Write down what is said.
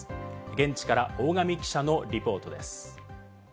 現地から大神記者のリポートです。